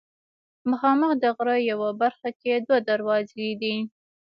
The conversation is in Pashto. مخامخ د غره یوه برخه کې دوه دروازې دي.